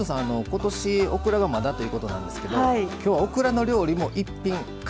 今年オクラがまだということなんですけどきょうはオクラの料理も一品軽く入れてますから。